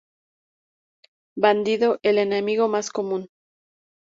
Bandido: El enemigo más común.